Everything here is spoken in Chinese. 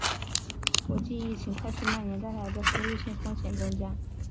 国际疫情快速蔓延带来的输入性风险增加